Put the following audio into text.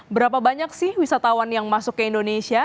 berapa banyak sih wisatawan yang masuk ke indonesia